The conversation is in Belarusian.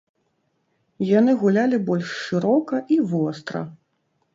Яны гулялі больш шырока і востра.